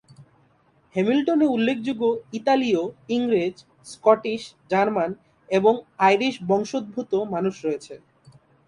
হ্যামিল্টনে উল্লেখযোগ্য ইতালিয়, ইংরেজ, স্কটিশ, জার্মান এবং আইরিশ বংশোদ্ভূত মানুষ রয়েছে।